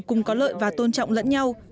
cùng có lợi và tôn trọng lẫn nhau